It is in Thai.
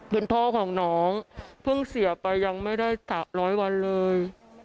เป็นพ่อของน้องเพิ่งเสียไปยังไม่ได้๓๐๐วันเลย